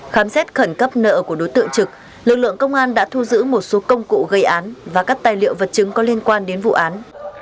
khám xét khẩn cấp nợ của đối tượng trực lực lượng công an đã thu giữ một số công cụ gây án và các tài liệu vật chứng có liên quan đến vụ án